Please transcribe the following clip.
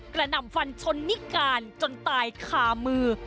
หนำฟันชนนิการจนตายคามือ